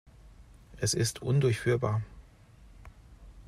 Es ist undurchführbar.